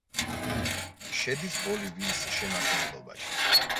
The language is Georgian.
შედის ბოლივიის შემადგენლობაში.